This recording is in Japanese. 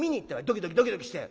ドキドキドキドキして。